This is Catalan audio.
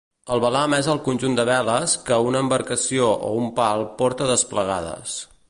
El velam és al conjunt de veles que una embarcació o un pal porta desplegades.